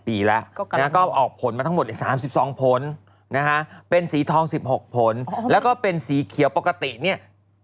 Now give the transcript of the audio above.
ปีแล้วก็ออกผลมาทั้งหมด๓๒ผลนะฮะเป็นสีทอง๑๖ผลแล้วก็เป็นสีเขียวปกติเนี่ย